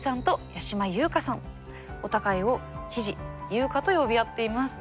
お互いを「ひじ」「ゆうか」と呼び合っています。